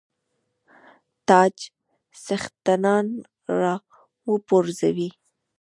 تاج څښتنان را وپرزوي.